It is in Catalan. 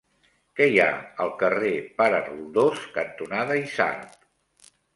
Què hi ha al carrer Pare Roldós cantonada Isard?